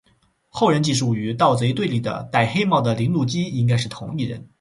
后人记述与盗贼对立的戴黑帽的铃鹿姬应该是同一人。